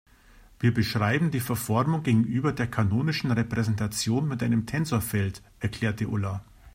Wir beschreiben die Verformung gegenüber der kanonischen Repräsentation mit einem Tensorfeld, erklärte Ulla.